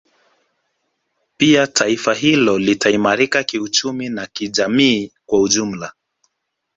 Pia taifa hilo litaimarika kiuchumi na kijamii kwa ujumla